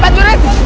pai di indonesia